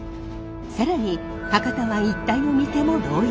更に博多湾一帯を見ても同様。